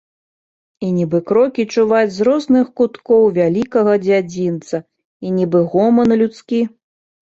І нібы крокі чуваць з розных куткоў вялікага дзядзінца, і нібы гоман людскі.